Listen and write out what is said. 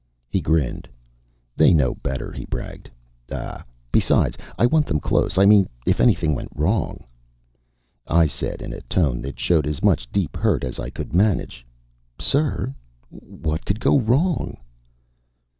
He grinned. "They know better," he bragged. "Ah, besides, I want them close. I mean if anything went wrong." I said, in a tone that showed as much deep hurt as I could manage: "Sir, what could go wrong?"